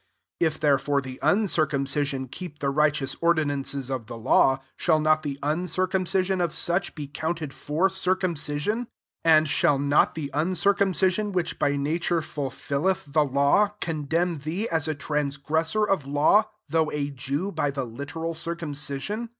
26 If therefore the uncircumcision keep the righteous ordinances of the law, shall not the uncircum cision of such be counted for cir cumcision? 27 and shall not the uncircumcision which by nature fulfilleth the law, condemn thee as a transgressor of law, though a J<?w by the literal circumcision?